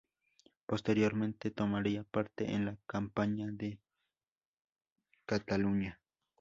Posteriormente tomaría parte en la campaña de Cataluña.